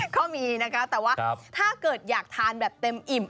เขามีเนื้อเลยนะคะแต่ว่าถ้าเกิดอยากทานแบบเต็มอิ่ม